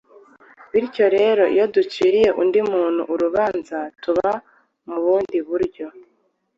bityo rero iyo duciriye undi muntu urubanza, tuba, mu bundi buryo,